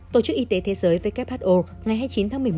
tổ chức y tế thế giới who ngày hai mươi chín tháng một mươi một